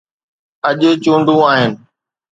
اڄ چونڊون آهن.